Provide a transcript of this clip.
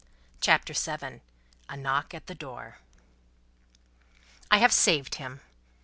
CHAPTER VII. A Knock at the Door "I have saved him."